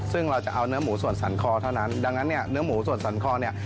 ซึ่งเราจะเอาเนื้อหมูส่วนสันคอเท่านั้นดังนั้นเนี่ยเนื้อหมูส่วนสันคอเนี่ย